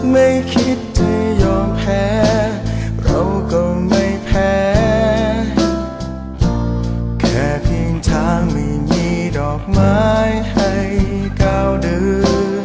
ไม่คิดจะยอมแพ้เขาก็ไม่แพ้แค่เพียงช้างไม่มีดอกไม้ให้ก้าวดื้อ